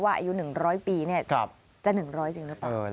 อายุ๑๐๐ปีจะ๑๐๐จริงหรือเปล่า